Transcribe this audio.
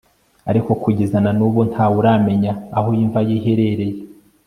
ariko kugeza na n'ubu nta we uramenya aho imva ye iherereye